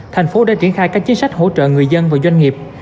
tp hcm đã triển khai các chính sách hỗ trợ người dân và doanh nghiệp